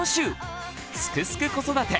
「すくすく子育て」